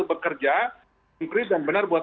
bekerja inkrit dan benar buat